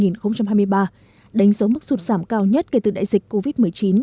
đánh dấu mức sụt giảm cao nhất kể từ đại dịch covid một mươi chín